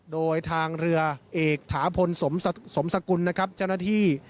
โดยทางเรือเอกถาพลสมสกุลนะครับเจ้าหน้าที่